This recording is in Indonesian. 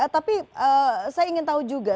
tapi saya ingin tahu juga